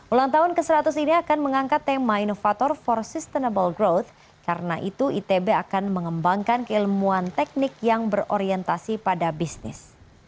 ulang tahun ke seratus ini akan mengangkat tema inovator for sustainable growth karena itu itb akan mengembangkan keilmuan teknik yang berorientasi pada bisnis